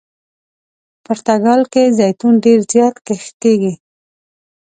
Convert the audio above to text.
پرتګال کې زیتون ډېر زیات کښت کیږي.